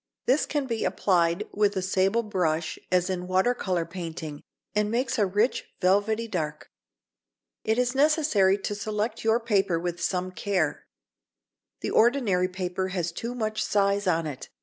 This can be applied with a sable brush as in water colour painting, and makes a rich velvety dark. It is necessary to select your paper with some care. The ordinary paper has too much size on it.